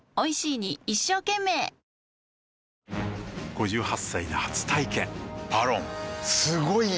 ５８歳で初体験「ＶＡＲＯＮ」すごい良い！